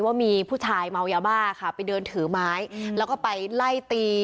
ว่ามีผู้ชายเมายาบ้าค่ะไปเดินถือไม้แล้วก็ไปไล่ตี